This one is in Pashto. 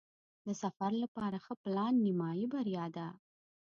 د سفر لپاره ښه پلان نیمایي بریا ده.